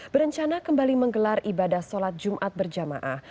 berencana kembali menggelar ibadah sholat jumat berjamaah